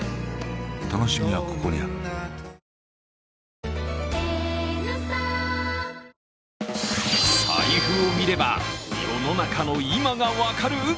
ハイ「タコハイ」財布を見れば世の中の今が分かる？